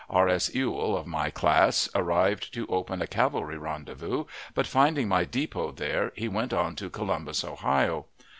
R. S. Ewell, of my class, arrived to open a cavalry rendezvous, but, finding my depot there, he went on to Columbus, Ohio.